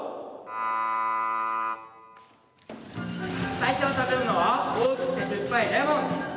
最初に食べるのは大きくて酸っぱいレモン！